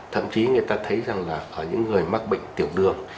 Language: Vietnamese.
thậm chí người ta thấy rằng là ở những người mắc bệnh tiểu đường